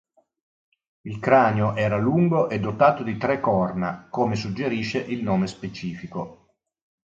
Il cranio era lungo e dotato di tre corna, come suggerisce il nome specifico.